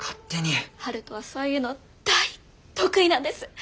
春風はそういうの大得意なんです！